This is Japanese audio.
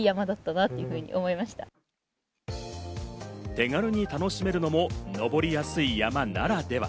手軽に楽しめるのも登りやすい山ならでは。